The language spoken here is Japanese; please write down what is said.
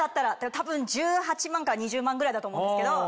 多分１８万から２０万ぐらいだと思うんですけど。